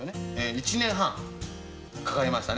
１年半、かかりましたね。